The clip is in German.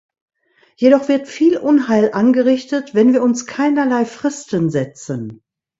Jedoch wird viel Unheil angerichtet, wenn wir uns keinerlei Fristen setzen.